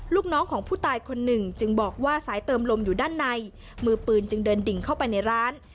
ลูกน้องของผู้ตายคนหนึ่งจึงบอกว่าสายเติมลมอยู่ด้านในมือปืนจึงเดินดิ่งเข้าไปในร้าน